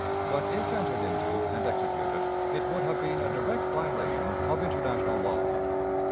But, if entered into and executed, it would have been a direct violation of international law.